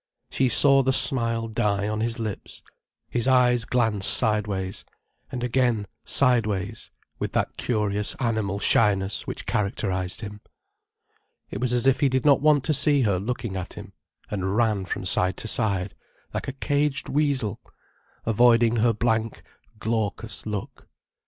She saw the smile die on his lips, his eyes glance sideways, and again sideways, with that curious animal shyness which characterized him. It was as if he did not want to see her looking at him, and ran from side to side like a caged weasel, avoiding her blank, glaucous look.